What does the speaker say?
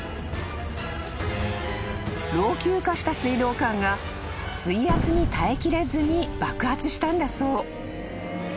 ［老朽化した水道管が水圧に耐えきれずに爆発したんだそう］